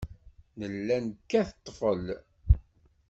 Nella nekkat ḍḍbel.